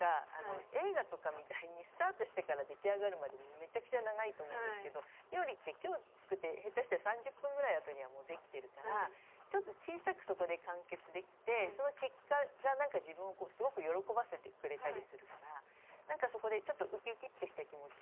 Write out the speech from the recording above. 映画とかみたいにスタートしてから出来上がるまでめちゃくちゃ長いと思うんですけど料理って今日作って下手したら３０分ぐらいあとにはもう出来てるからちょっと小さくそこで完結できて何かそこでちょっとウキウキってした気持ちになるし。